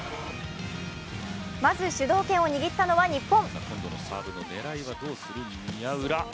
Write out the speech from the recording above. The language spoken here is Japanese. まず主導権を握ったのは日本。